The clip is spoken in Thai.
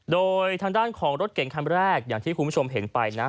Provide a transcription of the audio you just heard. โดยทางด้านของรถเก่งคันแรกอย่างที่คุณผู้ชมเห็นไปนะ